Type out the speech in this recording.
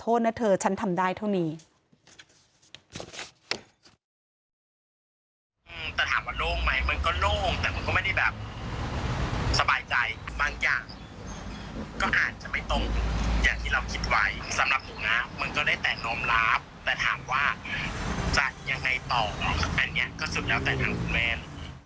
แต่ถามว่าจะยังไงต่ออันนี้ก็สุดยอดแต่ทางคุณแมน